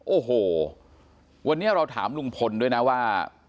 โอ้โหวันนี้เราถามลุงพลด้วยนะว่า